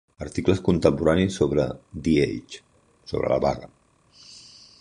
Articles contemporanis sobre "The Age" sobre la vaga